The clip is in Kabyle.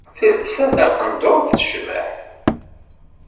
Telsa taqendurt tecbeḥ.